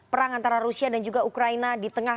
perang antara rusia dan juga ukraina di tengah